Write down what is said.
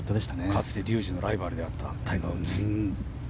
かつて竜二のライバルだったタイガー・ウッズ。